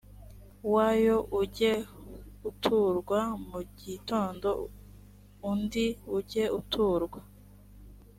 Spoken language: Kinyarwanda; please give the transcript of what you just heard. wayo ujye uturwa mu gitondo undi ujye uturwa